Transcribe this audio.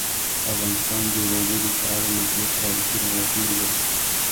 افغانستان د وګړي په اړه مشهور تاریخی روایتونه لري.